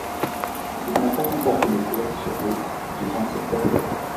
Il n'a pas remporté de course sur route durant cette période.